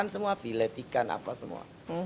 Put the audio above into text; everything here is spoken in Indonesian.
semua filet ikan apa semua